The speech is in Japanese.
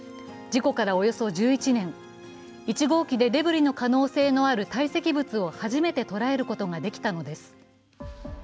事故からおよそ１１年、１号機でデブリの可能性のある堆積物を初めて捉えることができたのです。